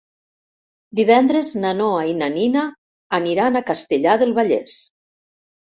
Divendres na Noa i na Nina aniran a Castellar del Vallès.